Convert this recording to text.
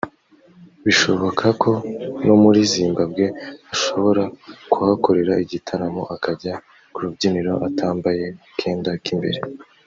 bishoboka ko no muri Zimbabwe ashobora kuhakorera igitaramo akajya ku rubyiniro atambaye akenda k’imbere